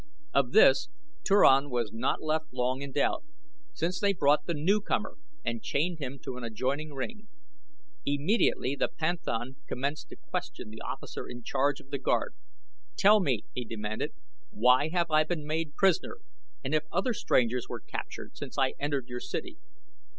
Of this Turan was not left long in doubt, since they brought the newcomer and chained him to an adjoining ring. Immediately the panthan commenced to question the officer in charge of the guard. "Tell me," he demanded, "why I have been made prisoner, and if other strangers were captured since I entered your city."